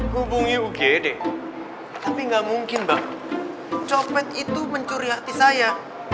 hubungi ugd tapi nggak mungkin bang copet itu mencuri hati saya